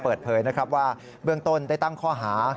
เปิดเผยว่าเบื้องตนได้ตั้งข้อหา